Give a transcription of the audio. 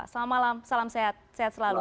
selamat malam salam sehat selalu